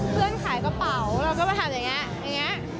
เพื่อนขายกระเป๋าแล้วก็มาทำอย่างนี้